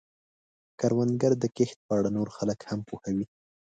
کروندګر د کښت په اړه نور خلک هم پوهوي